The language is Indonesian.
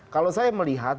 kalau saya melihat